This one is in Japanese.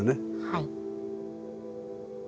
はい。